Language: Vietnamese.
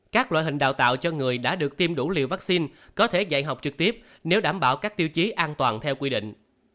các loại hình đào tạo cho người đã được tiêm đủ liều vaccine có thể dạy học trực tiếp nếu đảm bảo các tiêu chí an toàn theo quy định